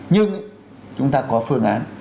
nhưng chúng ta có phương án